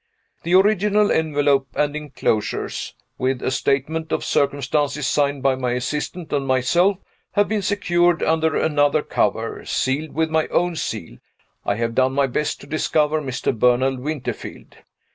The original envelope and inclosures (with a statement of circumstances signed by my assistant and myself) have been secured under another cover, sealed with my own seal. I have done my best to discover Mr. Bernard Winterfield.